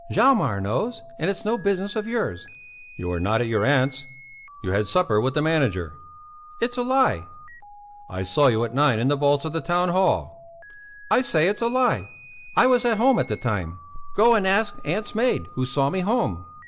"Hjalmar knows, and it's no business of yours." "You were not at your aunt's! You had supper with the manager!" "It's a lie!" "I saw you at nine in the vaults of the Town hall." "I say it's a lie! I was at home at that time! Go and ask aunt's maid who saw me home."